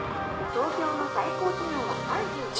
「東京の最高気温は３５度」